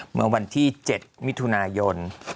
เมื่อวันที่๗มิถุนายน